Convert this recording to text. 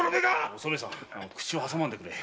お染さん口を挟まんでくれ。